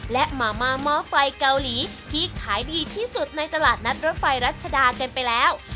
และมาม่าหม้อไฟเกาหลีที่ขายดีที่สุดในตลาดนัดรถไฟรัชดากันไปแล้ว